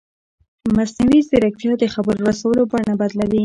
مصنوعي ځیرکتیا د خبر رسولو بڼه بدلوي.